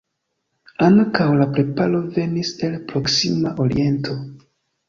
Ankaŭ la preparo venis el proksima oriento.